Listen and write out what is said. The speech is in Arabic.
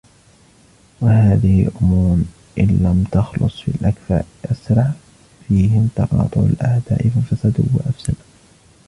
وَهَذِهِ أُمُورٌ إنْ لَمْ تَخْلُصْ فِي الْأَكْفَاءِ أَسْرَعَ فِيهِمْ تَقَاطُعُ الْأَعْدَاءِ فَفَسَدُوا وَأَفْسَدُوا